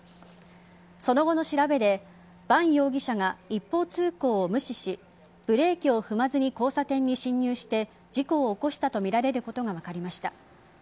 その後の調べで伴容疑者が一方通行を無視しブレーキを踏まずに交差点に進入して事故を起こしたとみられることが分かりました。